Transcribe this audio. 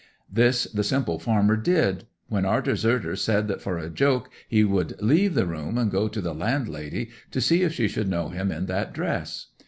This the simple farmer did; when our deserter said that for a joke he would leave the room and go to the landlady, to see if she would know him in that dress.